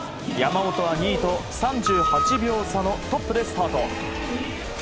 山本は２位と３８秒差のトップでスタート。